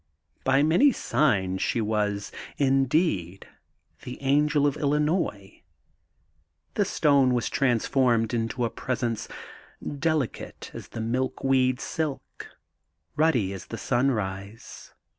By many signs she was, indeed, the angel of Illinois. The stone was transformed into a presence, delicate as the milkweed silk, mddy as the sunrise.